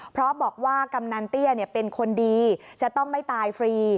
เพราะบอกว่ากำนันเตี้ยเป็นคนดีจะต้องไม่ตายฟรี